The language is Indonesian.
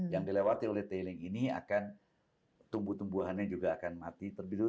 yang dilewati oleh tailing ini akan tumbuh tumbuhannya juga akan mati terlebih dulu